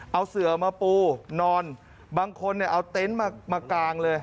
เอาเสือมาปูนอนบางคนเนี่ยเอาเต็นต์มากางเลย